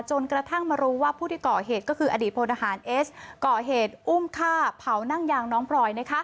จนกระทั่งมารู้ว่าผู้ที่ก่อเหตุก็คืออดีตพลทหารเอสก่อเหตุอุ้มฆ่าเผานั่งยางน้องพลอย